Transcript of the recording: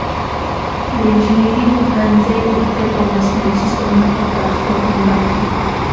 د انجینري پوهنځی د طبیعي او مصنوعي سیستمونو پر پراختیا ټینګار کوي.